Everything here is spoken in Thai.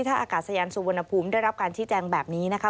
ถ้าอากาศยานสุวรรณภูมิได้รับการชี้แจงแบบนี้นะคะ